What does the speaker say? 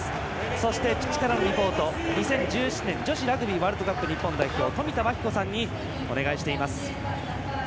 そして、ピッチからのリポートは２０１７年女子ラグビーワールドカップ日本代表冨田真紀子さんにお願いしています。